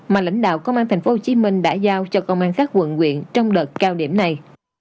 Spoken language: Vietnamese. mà lãnh đạo công an tp hcm đã giao cho công an các quận quyện trong đợt cao điểm này